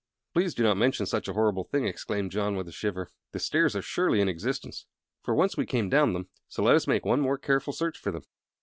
"Please do not mention such a horrible thing," exclaimed John, with a shiver. "The stairs are surely in existence, for once we came down them; so let us make one more careful search for them."